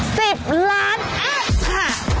สิบล้านอัพค่ะ